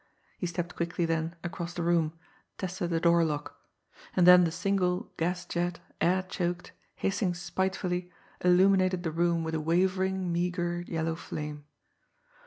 He stepped quickly then across the room, tested the door lock; and then the single gas jet, air choked, hissing spitefully, illuminated the room with a wavering meagre yellow flame.